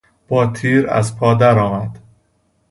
با تیر از پا در آمد.